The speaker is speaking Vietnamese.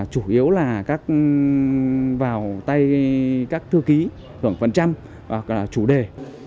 chủ yếu là các vào tay các thư ký khoảng phần trăm hoặc là chủ đề